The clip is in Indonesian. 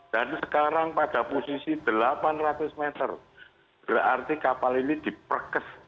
dan sekarang pada posisi delapan ratus meter berarti kapal ini diperkes